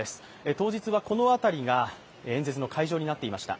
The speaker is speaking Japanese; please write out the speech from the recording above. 当日は、この辺りが演説の会場になっていました。